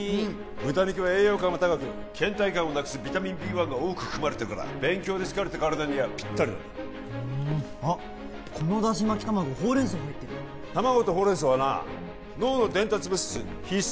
豚肉は栄養価も高く倦怠感をなくすビタミンＢ１が多く含まれてるから勉強で疲れた体にはピッタリなんだふんあっこのだし巻き卵ホウレンソウ入ってる卵とホウレンソウはな脳の伝達物質必須